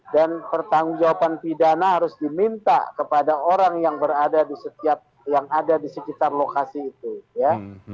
dan pertanggung jawaban pidana harus diminta kepada orang yang berada di sekitar lokasi itu ya